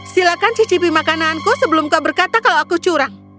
silahkan cicipi makanananku sebelum kau berkata kalau aku curang